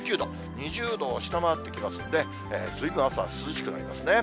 ２０度を下回ってきますので、ずいぶん、朝は涼しくなりますね。